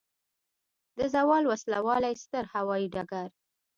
د زاول وسلوالی ستر هوایي ډګر